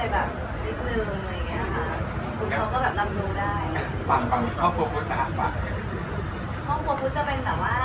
แต่พ่อเป็นคนสำหรับลูกสาวอย่างเดียวนะครับ